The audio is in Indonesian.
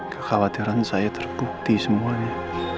kekhawatiran saya terbukti semuanya